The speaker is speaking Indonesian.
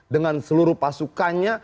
dengan seluruh pasukannya